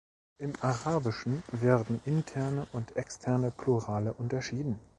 Im Arabischen werden interne und externe Plurale unterschieden.